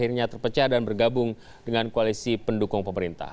akhirnya terpecah dan bergabung dengan koalisi pendukung pemerintah